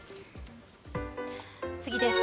次です。